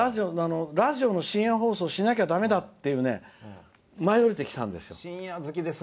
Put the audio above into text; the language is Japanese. ラジオの深夜放送しなきゃだめだって舞い降りてきたんですよ。